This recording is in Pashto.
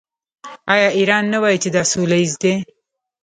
آیا ایران نه وايي چې دا سوله ییز دی؟